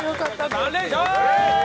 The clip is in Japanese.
３連勝！